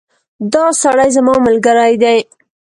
دا سړی زما ملګری دی